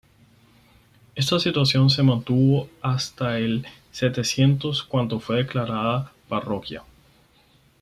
Esta situación se mantuvo hasta el Setecientos, cuando fue declarada parroquia.